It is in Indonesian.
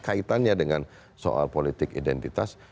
kaitannya dengan soal politik identitas